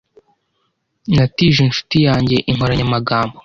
Natije inshuti yanjye inkoranyamagambo.